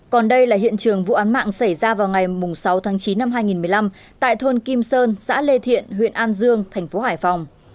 còn đây là hiện trường vụ án mạng xảy ra vào ngày sáu tháng chín năm hai nghìn một mươi năm tại thôn kim sơn xã lê thiện huyện an dương thành phố hải phòng